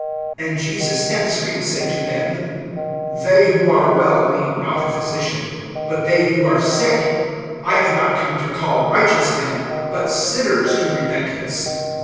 (31)And Jesus answering said to them: They who are well need not a physician, but they who are sick. (32)I have not come to call righteous men, but sinners to repentance.